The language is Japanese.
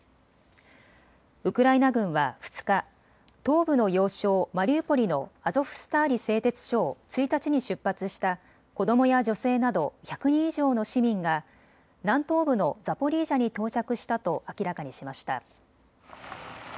ウクライナ軍は２日、東部の要衝マリウポリのアゾフスターリ製鉄所を１日に出発した子どもや女性など１００人以上の市民が南東部のザポリージャに到着したと明らかにしました。